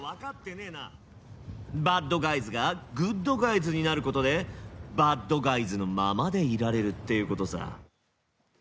バッドガイズがグッドガイズになることでバッドガイズのままでいられるっていうことさ。